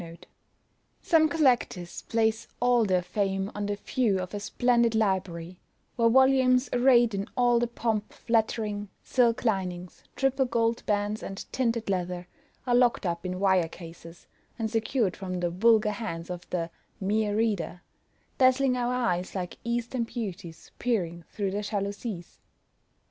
Some collectors place all their fame on the view of a splendid library, where volumes, arrayed in all the pomp of lettering, silk linings, triple gold bands, and tinted leather, are locked up in wire cases, and secured from the vulgar hands of the mere reader, dazzling our eyes like eastern beauties peering through their jalousies!